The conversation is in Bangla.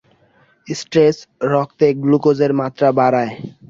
স্ট্রেস রক্তে গ্লুকোজের মাত্রা বাড়ায়।